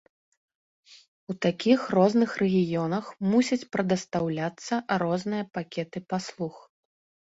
У такіх розных рэгіёнах мусяць прадастаўляцца розныя пакеты паслуг.